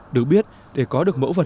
được biết để có được mẫu vật